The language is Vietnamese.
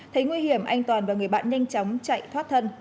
thấy nguy hiểm anh toàn và người bạn nhanh chóng chạy thoát thân